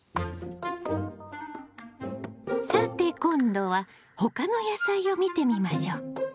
さて今度は他の野菜を見てみましょう。